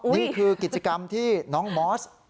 นี่คือกิจกรรมที่น้องมอส